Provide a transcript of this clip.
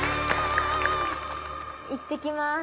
いってきます。